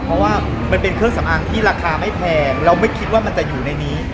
เพราะว่ามันเป็นเครื่องสำอางที่ราคาไม่แพงเราไม่คิดว่ามันจะอยู่ในนี้